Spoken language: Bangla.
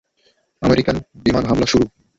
আমেরিকান বিমান হামলা শুরু।